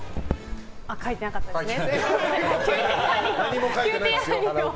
あ、書いてなかったですね。